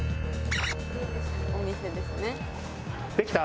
できた？